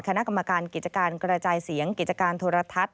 คณะกรรมการกิจการกระจายเสียงกิจการโทรทัศน์